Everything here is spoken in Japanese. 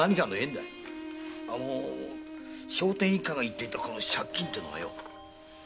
聖天一家が言ってた借金ってのは？